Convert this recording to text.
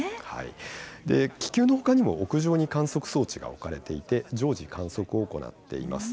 気球のほかにも屋上に観測装置が置かれていて常時観測を行っています。